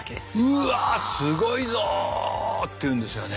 うわすごいぞって言うんですよね。